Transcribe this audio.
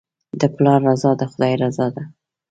د پلار رضا د خدای رضا ده.